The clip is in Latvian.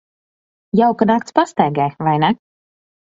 Jauka nakts pastaigai, vai ne?